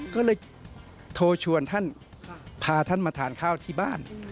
ก็เลยโทรชวนท่านพาท่านมาทานข้าวที่บ้าน